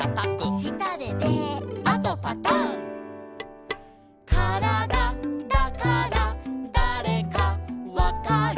「したでベー」「あとパタン」「からだだからだれかわかる」